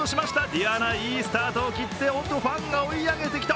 ｄｉａｎａいいスタートを切っておっとファンが追い上げてきた。